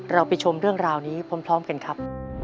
เราไปชมเรื่องราวนี้พร้อมกันครับ